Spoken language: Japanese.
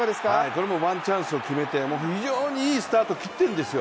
これもワンチャンスを決めて、非常にいいスタートを切っているんですよ。